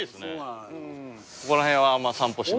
ここら辺は散歩しない？